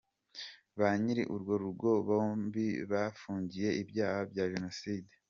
Banyiri urwo rugo bombi bafungiye ibyaha bya Jenoside.